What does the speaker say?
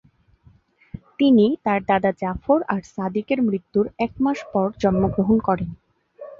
তিনি তার দাদা জাফর আর সাদিকের মৃত্যুর এক মাস পর জন্মগ্রহণ করেন।